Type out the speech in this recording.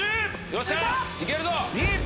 よっしゃ！いけるぞ！